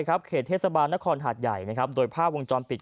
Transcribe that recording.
ครับเขตเทศบาณครหาดใหญ่นะครับโดยภาพวงจอนปิด